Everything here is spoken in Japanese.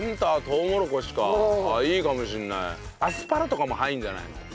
アスパラとかも入るんじゃないの？